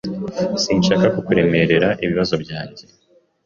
Sinshaka kukuremerera ibibazo byanjye.